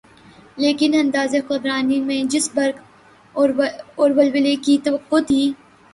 لیکن انداز حکمرانی میں جس برق اورولولے کی توقع تھی۔